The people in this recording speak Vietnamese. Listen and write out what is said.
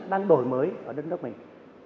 đang đổi mới ở đất nước mình